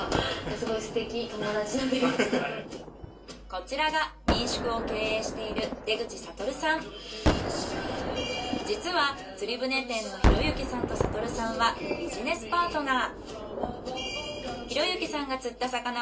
こちらが民宿を経営している実は釣船店の博之さんと悟さんはビジネスパートナー。